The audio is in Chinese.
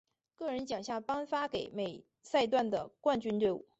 个人奖项颁发给每赛段的冠军队伍。